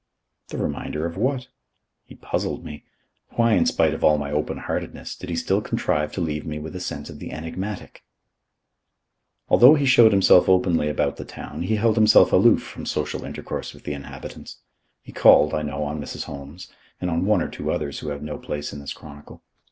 The Reminder of what? He puzzled me. Why, in spite of all my open heartedness, did he still contrive to leave me with a sense of the enigmatic? Although he showed himself openly about the town, he held himself aloof from social intercourse with the inhabitants. He called, I know, on Mrs. Holmes, and on one or two others who have no place in this chronicle.